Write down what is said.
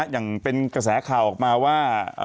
อย่างเป็นกระแสข่าวออกมาว่า